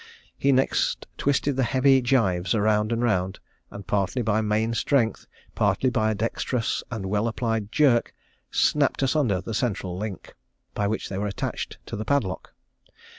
He next twisted the heavy gyves round and round, and partly by main strength, partly by a dexterous and well applied jerk, snapped asunder the central link, by which they were attached to the padlock.